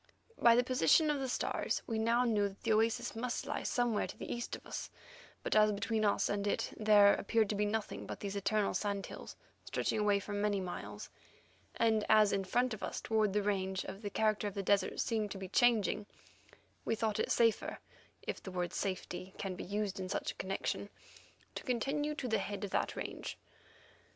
By the position of the stars, we now knew that the oasis must lie somewhere to the east of us; but as between us and it there appeared to be nothing but these eternal sand hills stretching away for many miles, and as in front of us toward the range the character of the desert seemed to be changing, we thought it safer, if the word safety can be used in such a connection, to continue to head for that range.